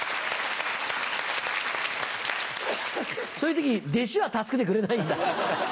そういう時弟子は助けてくれないんだ？